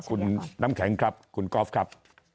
คุณน้ำแข็งครับคุณกอล์ฟครับ